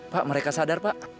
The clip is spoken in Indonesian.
pak mereka sadar pak